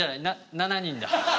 ７人だ。